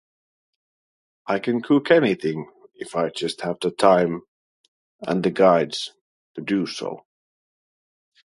I can cook anything, if I just have the time and the guides to do so.